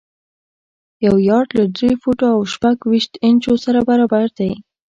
یو یارډ له درې فوټو او شپږ ویشت انچو سره برابر دی.